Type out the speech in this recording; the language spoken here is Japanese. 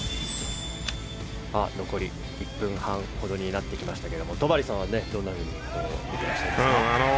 残り１分半ほどになってきましたが戸張さんは、どんなふうに見ていらっしゃいますか？